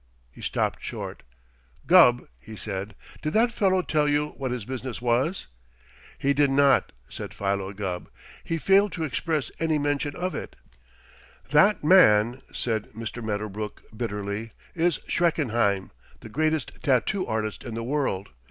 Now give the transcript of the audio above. He stopped short. "Gubb," he said, "did that fellow tell you what his business was?" "He did not," said Philo Gubb. "He failed to express any mention of it." "That man," said Mr. Medderbrook bitterly, "is Schreckenheim, the greatest tattoo artist in the world.